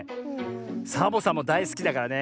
サボさんもだいすきだからね